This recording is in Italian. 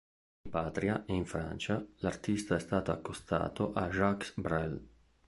In patria e in Francia l'artista è stato accostato a Jacques Brel.